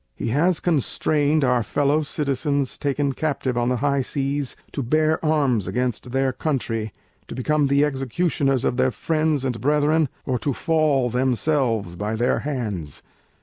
He has constrained our fellow Citizens taken Captive on the high Seas to bear Arms against their Country, to become the executioners of their friends and Brethren, or to fall themselves by their Hands.